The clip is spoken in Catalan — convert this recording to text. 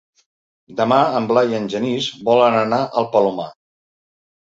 Demà en Blai i en Genís volen anar al Palomar.